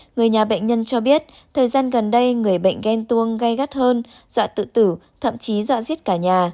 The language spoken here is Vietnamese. người nhà bệnh nhân cho biết thời gian gần đây người bệnh ghen tuông gây gắt hơn dọa tự tử thậm chí dọa dít cả nhà